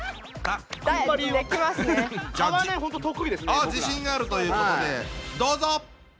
ああ自信があるということでどうぞ！